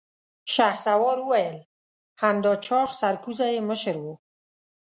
شهسوار وويل: همدا چاغ سرکوزی يې مشر و.